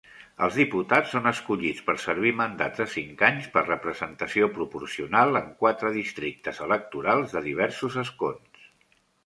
Els diputats són escollits per servir mandats de cinc anys per representació proporcional en quatre districtes electorals de diversos escons.